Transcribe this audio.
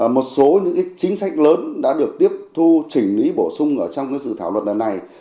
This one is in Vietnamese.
một số những chính sách lớn đã được tiếp thu chỉnh lý bổ sung trong sự thảo luận này